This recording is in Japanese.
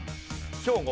兵庫。